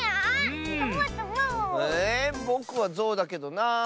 えぼくはゾウだけどなあ。